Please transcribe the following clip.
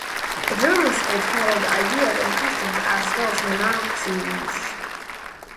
The German school followed ideas and customs as those in Nazi Reich.